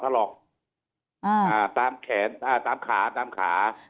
ถลอกตามแขนตามขาตามขา